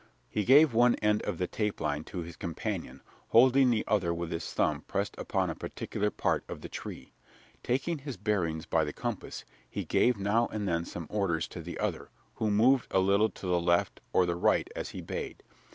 He gave one end of the tape line to his companion, holding the other with his thumb pressed upon a particular part of the tree. Taking his bearings by the compass, he gave now and then some orders to the other, who moved a little to the left or the right as he bade.